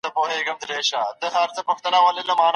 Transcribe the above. زيد بن اسلم د مدينې د خلکو په اړه څه وايي؟